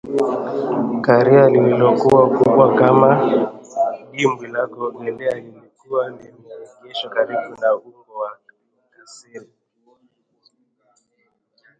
Karai lililokuwa kubwa kama dimbwi la kuogelea lilikuwa limeegeshwa karibu na ugo wa kasri